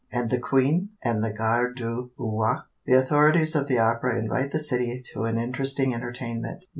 And the Queen? And the garde du roi? The authorities of the opera invite the city to an interesting entertainment.